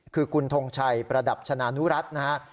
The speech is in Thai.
คือคุณทงชัยประดับชนะนุรัตินะครับ